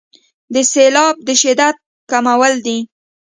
د سیلاب د شدت کمول دي.